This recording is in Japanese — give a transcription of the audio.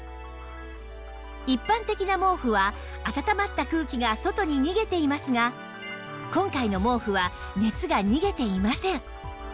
一般的な毛布は暖まった空気が外に逃げていますが今回の毛布は熱が逃げていません